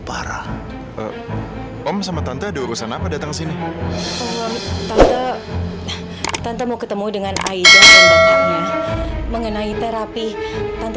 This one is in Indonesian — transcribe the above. parah om sama tante ada urusan apa datang sini tante tante mau ketemu dengan aida dan datangnya mengenai terapi tante